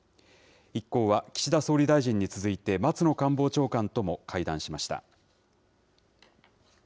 一行は岸田総理大臣に続いて松野官房長官とも会談しました。